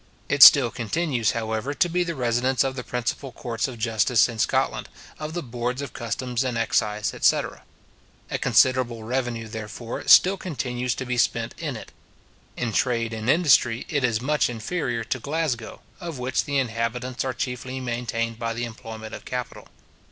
It still continues, however, to be the residence of the principal courts of justice in Scotland, of the boards of customs and excise, etc. A considerable revenue, therefore, still continues to be spent in it. In trade and industry, it is much inferior to Glasgow, of which the inhabitants are chiefly maintained by the employment of capital.